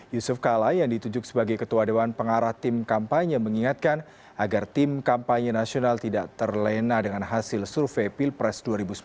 yusuf kala yang ditunjuk sebagai ketua dewan pengarah tim kampanye mengingatkan agar tim kampanye nasional tidak terlena dengan hasil survei pilpres dua ribu sembilan belas